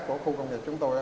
của khu công nghiệp chúng tôi